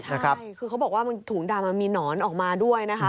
ใช่คือเขาบอกว่าฐุ่งดำมีหนอนออกมาด้วย